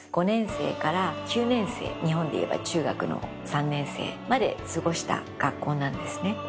５年生から９年生日本でいえば中学の３年生まで過ごした学校なんですね。